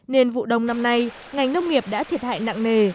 nên vụ đông năm nay ngành nông nghiệp đã thiệt hại nặng nề